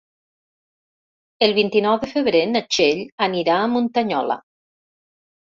El vint-i-nou de febrer na Txell anirà a Muntanyola.